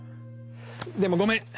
でもごめん。